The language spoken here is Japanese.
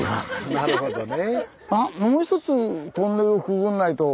なるほどね。